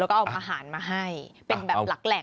แล้วก็เอาอาหารมาให้เป็นแบบหลักแหล่ง